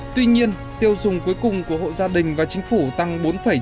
tuy nhiên tiêu dùng cuối cùng của hộ gia đình và chính phủ tăng bốn chín mươi ba